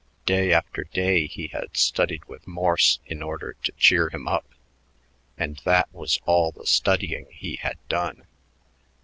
Day after day he had studied with Morse in order to cheer him up; and that was all the studying he had done.